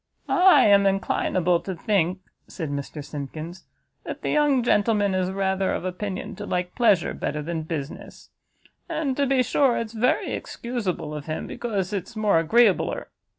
"I am inclinable to think," said Mr Simkins, "that the young gentleman is rather of opinion to like pleasure better than business; and, to be sure, it's very excusable of him, because it's more agreeabler.